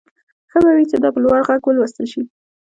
ښه به وي چې دا په لوړ غږ ولوستل شي